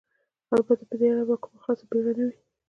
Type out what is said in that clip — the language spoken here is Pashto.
البته په دې اړه به کومه خاصه بېړه نه وي.